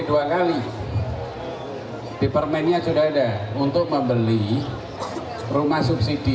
di permainnya sudah ada untuk membeli rumah subsidi